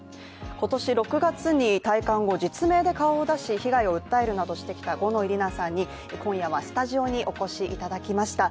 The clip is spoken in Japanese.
今年６月に退官後、実名で顔を出し被害を訴えるなどしてきた五ノ井里奈さんに今夜はスタジオにお越しいただきました。